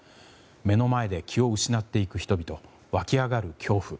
目の前で気を失っていく人々湧き上がる恐怖。